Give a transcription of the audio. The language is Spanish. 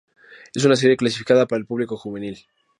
Es una serie clasificada para el público juvenil.